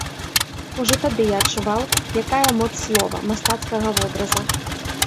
Ужо тады я адчуваў, якая моц слова, мастацкага вобраза.